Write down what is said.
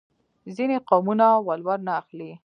ځینې قومونه ولور نه اخلي.